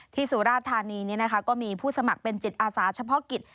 สุราธานีก็มีผู้สมัครเป็นจิตอาสาเฉพาะกิจ